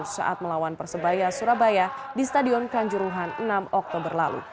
saat melawan persebaya surabaya di stadion kanjuruhan enam oktober lalu